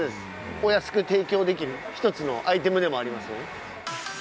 お安く提供できる一つのアイテムでもあります。